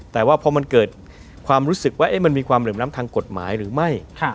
แต่ว่าพอมันเกิดความรู้สึกว่ามันมีความเหลื่อมล้ำทางกฎหมายหรือไม่